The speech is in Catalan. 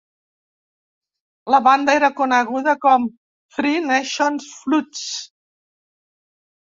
La banda era coneguda com Three Nations Flutes.